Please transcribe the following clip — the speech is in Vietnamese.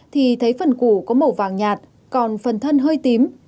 thì thấy phần củ có màu vàng nhạt còn phần thân hơi tím